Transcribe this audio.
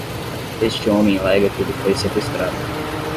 Este homem alega que ele foi seqüestrado.